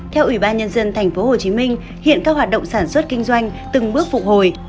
theo ubnd tp hcm hiện các hoạt động sản xuất kinh doanh từng bước phục hồi